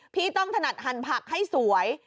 พี่ต้องถนัดหั่นผักให้สวย